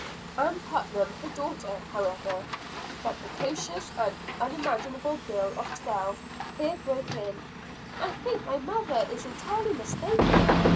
Ann Putnam, her daughter, however, that precocious and unmanageable girl of twelve, here broke in: "I think my mother is entirely mistaken.